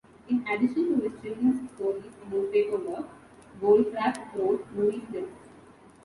In addition to his children's stories and newspaper work, Goldfrap wrote movie scripts.